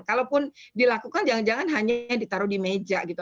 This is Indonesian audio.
kalaupun dilakukan jangan jangan hanya ditaruh di meja gitu